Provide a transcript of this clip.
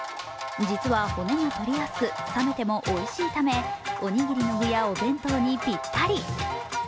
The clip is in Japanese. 実は骨が取りやすく冷めてもおいしいためおにぎりの具やお弁当にぴったり。